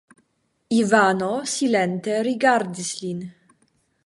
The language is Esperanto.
Ivano silente rigardis lin.